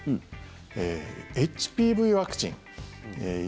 ＨＰＶワクチン。